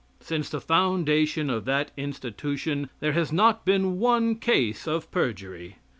Since the foundation of that institution there has not been one case of perjury.